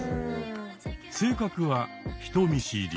性格は人見知り。